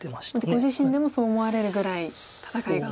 ご自身でもそう思われるぐらい戦いが。